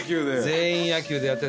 全員野球で。